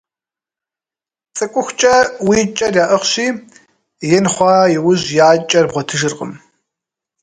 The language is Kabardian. Цӏыкӏухукӏэ уи кӏэр яӏыгъщи, ин хъуа иужь я кӏэр бгъуэтыжыркъым.